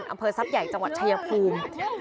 อำเภอทรัพย์ใหญ่จังหวัดชายภูมิ